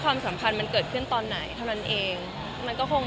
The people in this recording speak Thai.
ความสัมพันธ์มันเกิดขึ้นตอนไหน